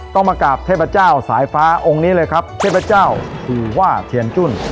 ต้องมากราบเทพเจ้าสายฟ้าองค์นี้เลยครับเทพเจ้าคือว่าเทียนจุ้น